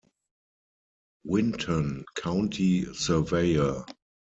Winton, county surveyor.